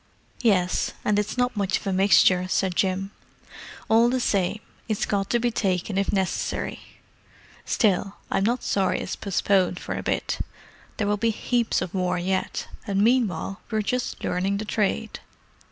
"Yes, and it's not much of a mixture," said Jim. "All the same, it's got to be taken if necessary. Still, I'm not sorry it's postponed for a bit; there will be heaps of war yet, and meanwhile we're just learning the trade."